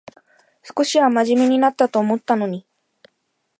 少しはまじめになったと思ったのに